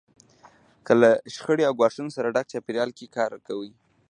که له شخړې او ګواښونو ډک چاپېریال کې کار کوئ.